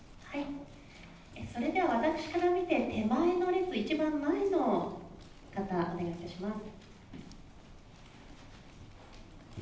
それでは、私から見て手前の列、一番前の方、お願いいたします。